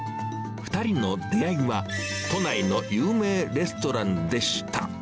２人の出会いは、都内の有名レストランでした。